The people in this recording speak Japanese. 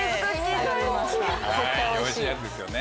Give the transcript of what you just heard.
おいしいやつですよね。